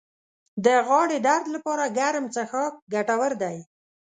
د غاړې درد لپاره ګرم څښاک ګټور دی